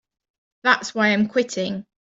That's why I'm quitting.